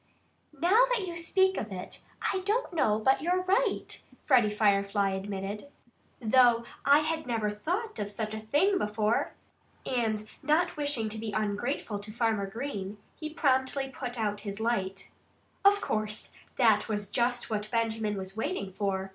"Now that you speak of it, I don't know but that you're right," Freddie Firefly admitted, "though I never thought of such a thing before." And not wishing to be ungrateful to Farmer Green, he promptly put out his light. Of course, that was just what Benjamin was waiting for.